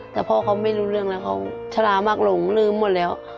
แต่พ่อเขาไม่รู้เรื่องแล้วเขาชะลามากหลงลืมหมดแล้ว